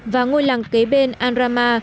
và ngôi làng kế bên al rama